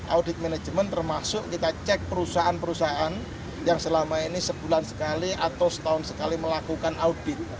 audit management termasuk kita cek perusahaan perusahaan yang selama ini sebulan sekali atau setahun sekali melakukan audit